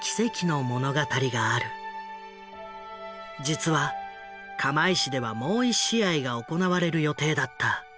実は釜石ではもう１試合が行われる予定だった。